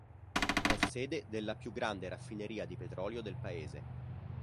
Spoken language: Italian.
È sede della più grande raffineria di petrolio del paese.